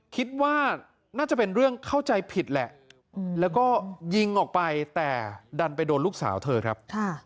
คิดว่าน่าจะเป็นเรื่องเข้าใจผิดแหละแล้วก็ยิงออกไปแต่ดันไปโดนลูกสาวเธอครับ